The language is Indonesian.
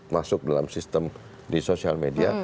masuk dalam sistem di sosial media